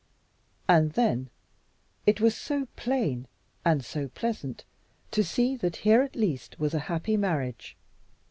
And then, it was so plain (and so pleasant) to see that here at least was a happy marriage!